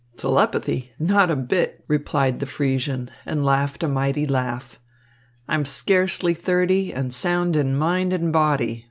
"Telepathy? Not a bit," replied the Friesian, and laughed a mighty laugh. "I am scarcely thirty, and sound in mind and body.